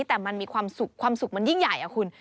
แต่มันมีความสุขความสุขมันยิ่งใหญ่อะคุณ